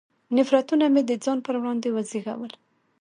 نفرتونه مې د ځان پر وړاندې وزېږول.